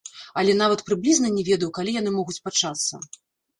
Але нават прыблізна не ведаў, калі яны могуць пачацца.